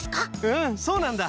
うんそうなんだ。